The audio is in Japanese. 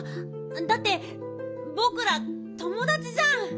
だってぼくらともだちじゃん！